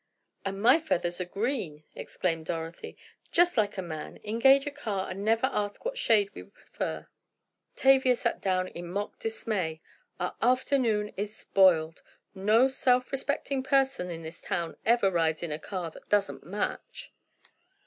"And my feathers are green!" exclaimed Dorothy. "Just like a man, engage a car and never ask what shade we prefer!" Tavia sat down in mock dismay. "Our afternoon is spoiled! No self respecting person in this town ever rides in a car that doesn't match!"